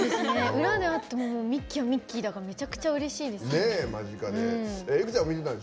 裏で会ってもミッキーはミッキーだからめちゃくちゃうれしいですね。